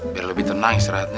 biar lebih tenang istirahatnya